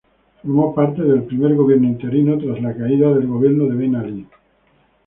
Formó parte del primer gobierno interino tras la caída del gobierno de Ben Alí.